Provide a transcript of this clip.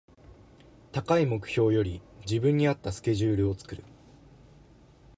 高い目標より自分に合ったスケジュールを作る